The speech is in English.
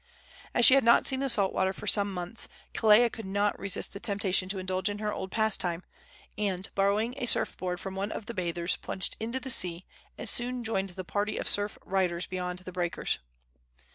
As she had not seen the salt water for some months, Kelea could not resist the temptation to indulge in her old pastime, and, borrowing a surf board from one of the bathers, plunged into the sea, and soon joined the party of surf riders beyond the breakers.